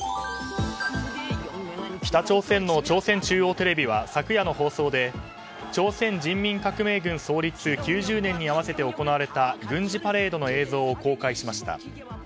北朝鮮の朝鮮中央テレビは昨夜の放送で朝鮮人民革命軍創立９０年に合わせて行われた軍事パレードの映像を公開しました。